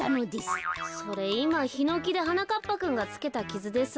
それいまヒノキではなかっぱくんがつけたキズです。